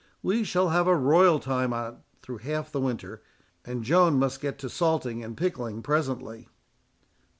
We shall have a royal time on't through half the winter; and Joan must get to salting and pickling presently."